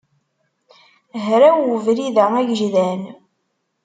Hraw ubrid-a agejdan.